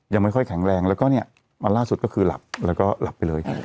ยังไม่ค่อยแข็งแรงแล้วก็เนี่ยวันล่าสุดก็คือหลับแล้วก็หลับไปเลย